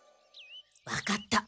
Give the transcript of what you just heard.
わかった。